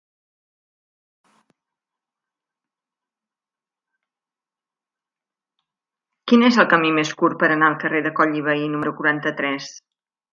Quin és el camí més curt per anar al carrer de Coll i Vehí número quaranta-tres?